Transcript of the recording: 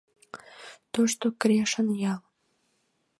Тошто Крешын ял.